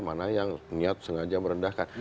mana yang niat sengaja merendahkan